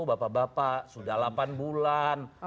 bapak bapak sudah delapan bulan